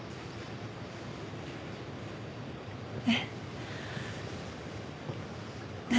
えっ？何？